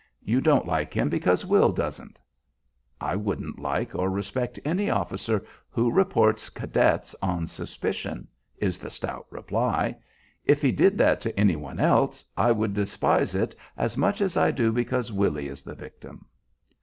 You don't like him because Will doesn't." "I wouldn't like or respect any officer who reports cadets on suspicion," is the stout reply. "If he did that to any one else I would despise it as much as I do because Willy is the victim."